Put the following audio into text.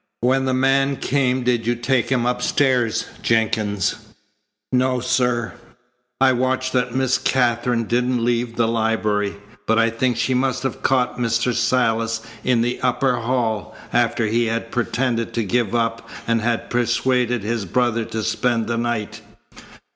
When the man came did you take him upstairs, Jenkins?" "No, sir. I watched that Miss Katherine didn't leave the library, but I think she must have caught Mr. Silas in the upper hall after he had pretended to give up and had persuaded his brother to spend the night."